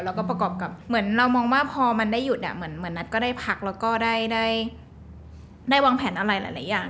แล้วก็ประกอบกับเหมือนเรามองว่าพอมันได้หยุดเหมือนนัทก็ได้พักแล้วก็ได้วางแผนอะไรหลายอย่าง